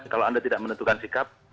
kalau anda tidak menentukan sikap